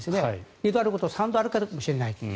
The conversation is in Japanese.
二度あることは三度あるかもしれない。